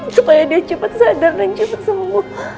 supaya dia cepet sadar dan cepet sembuh